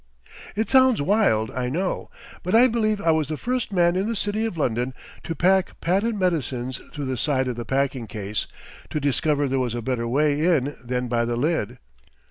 It sounds wild, I know, but I believe I was the first man in the city of London to pack patent medicines through the side of the packing case, to discover there was a better way in than by the lid.